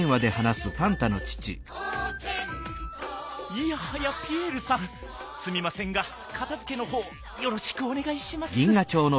いやはやピエールさんすみませんがかたづけのほうよろしくおねがいします。